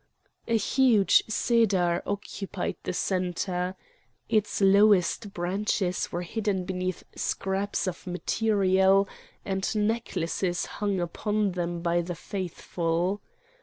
A huge cedar occupied the centre. Its lowest branches were hidden beneath scraps of material and necklaces hung upon them by the faithful.